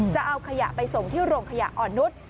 จะเอาขยะไปส่งที่โรงขยะอ่อนนุษย์